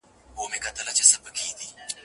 شرنګی دی د ناپایه قافلې د جرسونو